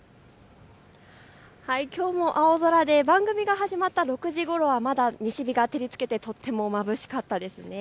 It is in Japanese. きょうも青空で番組が始まった６時ごろはまだ西日が照りつけてとってもまぶしかったです。